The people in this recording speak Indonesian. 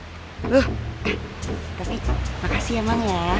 eh david makasih ya emang ya